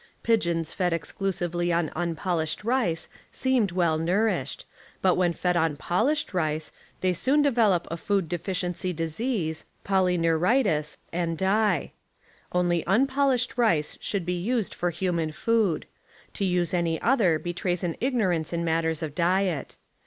Pigeons fed exclusively on unpolished rice seem well nourished, but when fed on polished rice they soon develop a food de ficiency disease, polyneuritis, and die. Only unpolished rice should be used for human food. To use any other betrays an ignorance in matters of diet.